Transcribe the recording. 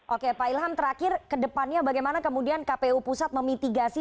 oke pak ilham terakhir ke depannya bagaimana kemudian kpu pusat memitigasi